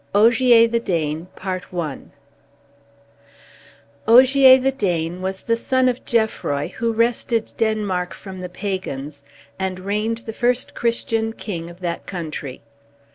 OGIER, THE DANE OGIER, the Dane, was the son of Geoffrey, who wrested Denmark from the Pagans, and reigned the first Christian king of that country.